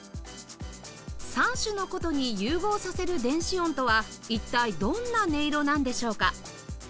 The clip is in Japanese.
３種の箏に融合させる電子音とは一体どんな音色なんでしょうか？